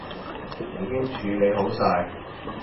已經處理好晒